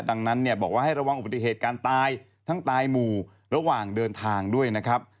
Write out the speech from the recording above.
ดังนั้นเนี่ยบอกว่าให้ระวังอุบัติเหตุการตายทั้งตายหมู่ระหว่างเดินทางด้วยนะครับ